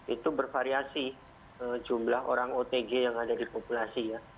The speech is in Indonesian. itu bervariasi jumlah orang otg yang ada di populasi ya